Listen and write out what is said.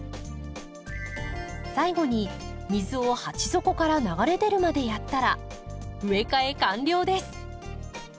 最後に水を鉢底から流れ出るまでやったら植え替え完了です。